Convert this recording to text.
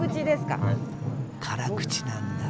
辛口なんだ？